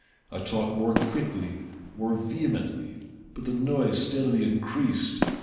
I talked more quickly — more vehemently ; but the noise steadily increased.